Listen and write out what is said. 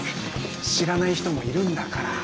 知らない人もいるんだから。